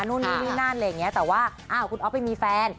นู่นนี่นี่นั่นอะไรอย่างเงี้ยแต่ว่าอ้าวคุณอ๊อฟไปมีแฟน